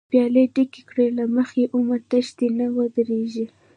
پيالی ډکې کړه له مخی، عمر تښتی نه ودريږی